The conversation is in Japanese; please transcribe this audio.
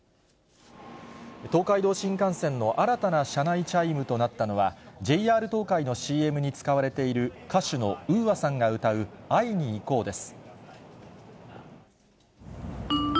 東海道新幹線の新たな車内チャイムとなったのは、ＪＲ東海のＣＭに使われている歌手のＵＡさんが歌う会いにいこうです。